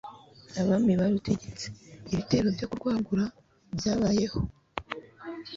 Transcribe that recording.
abami barutegetse, ibitero byo kurwagura byabayeho